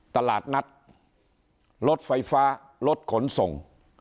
ตลาดนัดรถไฟฟ้ารถขนส่ง